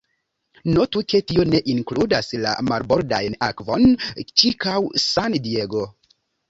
Notu ke tio ne inkludas la marbordajn akvon ĉirkaŭ San Diego.